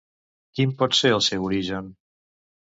Quin pot ser el seu origen?